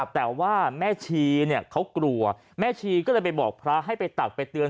แต่ว่าแม่ชีเขากลัวแม่ชีก็เลยไปบอกพระให้ไปตักไปเตือน